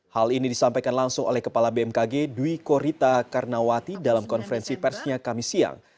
hal ini disampaikan langsung oleh kepala bmkg dwi korita karnawati dalam konferensi persnya kami siang